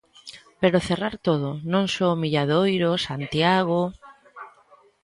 Pero cerrar todo, non só O Milladoiro, Santiago...